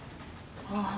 ああ